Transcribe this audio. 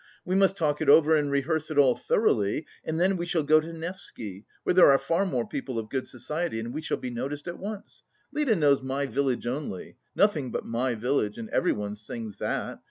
We must talk it over and rehearse it all thoroughly, and then we shall go to Nevsky, where there are far more people of good society, and we shall be noticed at once. Lida knows 'My Village' only, nothing but 'My Village,' and everyone sings that.